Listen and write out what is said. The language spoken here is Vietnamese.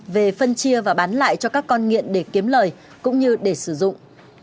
về phân chia và bán lại cho các con nghiện để kiếm lời cũng như để sử dụng